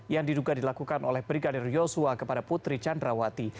yang diduga dilakukan oleh brigadir yosua kepada putri candrawati